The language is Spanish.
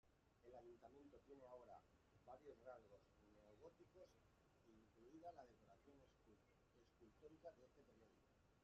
El ayuntamiento tiene ahora varios rasgos neogóticos, incluida la decoración escultórica de este período.